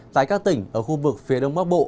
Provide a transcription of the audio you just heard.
tại các tỉnh ở khu vực phía đông bắc bộ